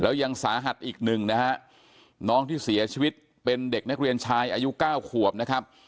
แล้วยังสาหัสอีกหนึ่งนะฮะน้องที่เสียชีวิตเป็นเด็กนักเรียนชายอายุเก้าขวบนะครับ